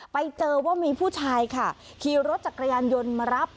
ไปเจอว่ามีผู้ชายค่ะขี่รถจักรยานยนต์มารับ